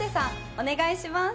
お願いします。